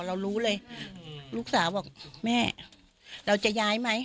เรารู้เลยลูกสาวบอกแม่เราจะย้ายไหม